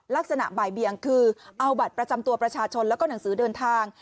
ลักษณะบ่ายเบียงคือเอาบัตรประจำตัวประชาชนแล้วก็หนังสือเดินทาง